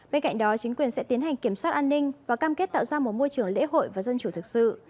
bên cạnh đó chính quyền sẽ tiến hành kiểm soát an ninh và cam kết tạo ra một môi trường lễ hội và dân chủ thực sự